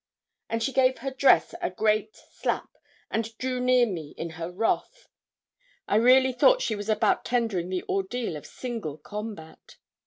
And she gave her dress a great slap, and drew near me, in her wrath. I really thought she was about tendering the ordeal of single combat.